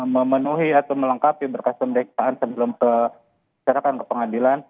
memenuhi atau melengkapi berkas pemeriksaan sebelum diserahkan ke pengadilan